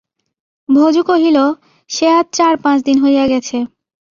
ভজু কহিল, সে আজ চার-পাঁচ দিন হইয়া গেছে।